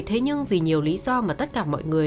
thế nhưng vì nhiều lý do mà tất cả mọi người